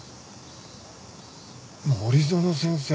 森園先生？